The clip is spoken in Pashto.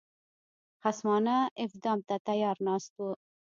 خصمانه افدام ته تیار ناست وو.